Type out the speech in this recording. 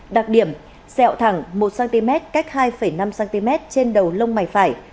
đặc điểm sẹo thẳng một cm cách hai năm cm trên đầu lông mày phải